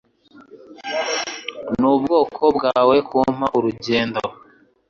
Nubwoko bwawe kumpa urugendo.